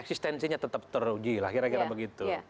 eksistensinya tetap teruji lah kira kira begitu